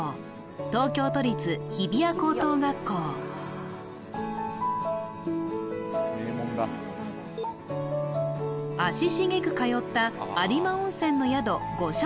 東京都立日比谷高等学校名門だ足しげく通った有馬温泉の宿御所